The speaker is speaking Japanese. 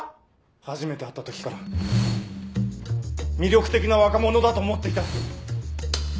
初めて会ったときから魅力的な若者だと思っていた。